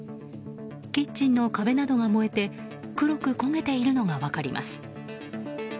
キッチンの壁などが燃えて黒く焦げているのが分かります。